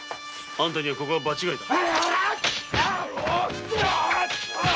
あんたにはここは場違いだ。